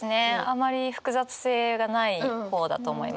あまり複雑性がない方だと思います。